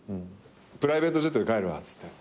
プライベートジェットで帰るわっつって。